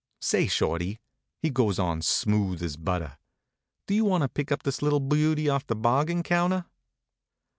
" Say, Shorty," he goes on, smooth as butter, " do you want to pick up this little beauty off the bargain counter?